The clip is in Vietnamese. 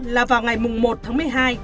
là vào ngày một tháng một mươi hai